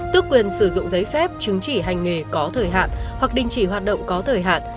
tước quyền sử dụng giấy phép chứng chỉ hành nghề có thời hạn hoặc đình chỉ hoạt động có thời hạn